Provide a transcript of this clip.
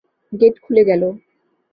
Gate খুলে গেল।